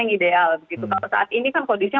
yang ideal saat ini kan kondisinya